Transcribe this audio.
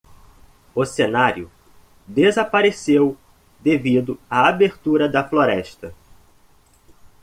O cenário desapareceu devido à abertura da floresta